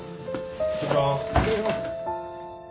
失礼します。